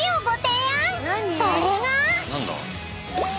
［それが］